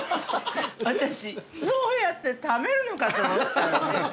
◆私、そうやって食べるのかと思ったのに。